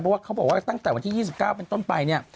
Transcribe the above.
เพราะว่าเขาบอกว่าตั้งแต่วันที่๒๙เป็นต้นไปเนี่ย